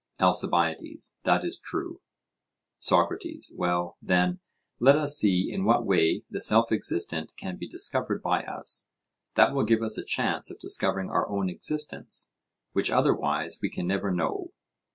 ALCIBIADES: That is true. SOCRATES: Well, then, let us see in what way the self existent can be discovered by us; that will give us a chance of discovering our own existence, which otherwise we can never know.